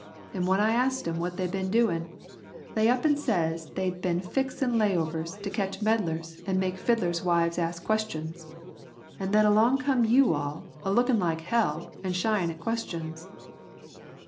An' when I asked 'em what they'd been doin', they up an' says they'd been fixin' lay overs to ketch meddlers an' make fiddlers' wives ask questions. An' then along come you all a lookin' like hell an' shyin' at questions."